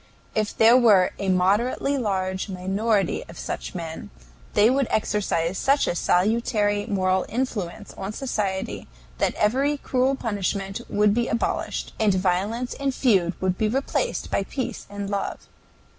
If there were a moderately large minority of such men, they would exercise such a salutary moral influence on society that every cruel punishment would be abolished, and violence and feud would be replaced by peace and love.